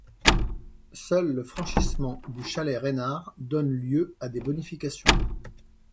Seul le franchissement du Chalet Reynard donne lieu à des bonifications.